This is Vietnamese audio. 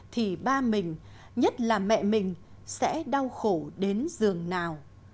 thì ba mình nhất là mẹ mình sẽ đau khổ đến giường nào